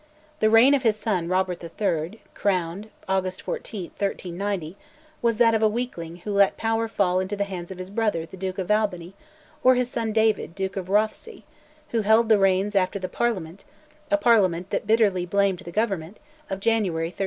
The reign of his son, Robert III. (crowned August 14, 1390), was that of a weakling who let power fall into the hands of his brother, the Duke of Albany, or his son David, Duke of Rothesay, who held the reins after the Parliament (a Parliament that bitterly blamed the Government) of January 1399.